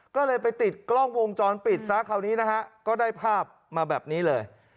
ก็เลยไปติดกล้องวงจรปิดซะคราวนี้นะฮะก็ได้ภาพมาแบบนี้เลย